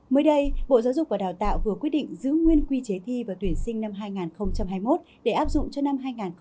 mới đây bộ giáo dục và đào tạo vừa quyết định giữ nguyên quy chế thi và tuyển sinh năm hai nghìn hai mươi một để áp dụng cho năm hai nghìn hai mươi